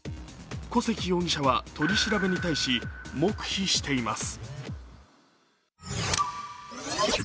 古関容疑者は取り調べに対し黙秘しています。